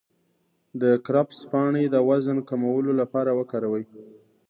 د کرفس پاڼې د وزن د کمولو لپاره وکاروئ